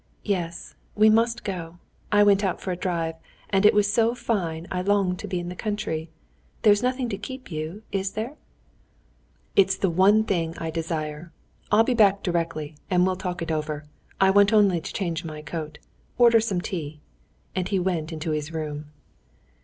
"Yes, we must go. I went out for a drive, and it was so fine I longed to be in the country. There's nothing to keep you, is there?" "It's the one thing I desire. I'll be back directly, and we'll talk it over; I only want to change my coat. Order some tea." And he went into his room.